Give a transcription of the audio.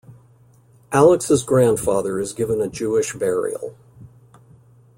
Alex's grandfather is given a Jewish burial.